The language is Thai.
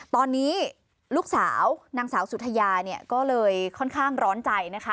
ตอนนี้ลูกสาวนางสาวสุธยาก็ค่อนข้างร้อนใจ